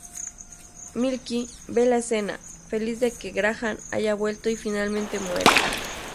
Milky ve la escena, feliz de que Graham haya vuelto, y finalmente muere.